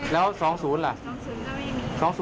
แล้ว๒๐ล่ะ๒๐หมดนานหรือยัง